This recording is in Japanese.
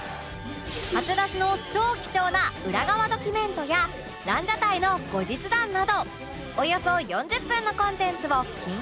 初出しの超貴重な裏側ドキュメントやランジャタイの後日談などおよそ４０分のコンテンツを緊急追加